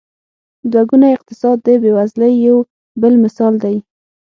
دوه ګونی اقتصاد د بېوزلۍ یو بل مثال دی.